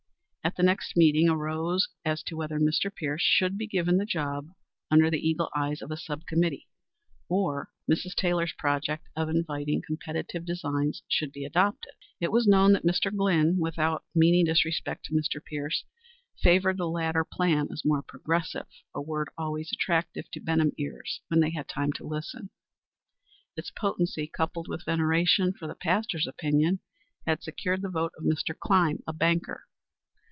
At the next meeting discussion arose as to whether Mr. Pierce should be given the job, under the eagle eyes of a sub committee, or Mrs. Taylor's project of inviting competitive designs should be adopted. It was known that Mr. Glynn, without meaning disrespect to Mr. Pierce, favored the latter plan as more progressive, a word always attractive to Benham ears when they had time to listen. Its potency, coupled with veneration, for the pastor's opinion, had secured the vote of Mr. Clyme, a banker.